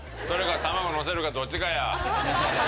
それか卵のせるかどっちかや。